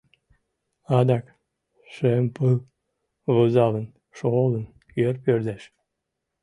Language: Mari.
Адак «Шем пыл, вузалын, шолын, йыр пӧрдеш.